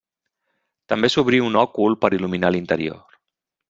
També s'obrí un òcul per il·luminar l'interior.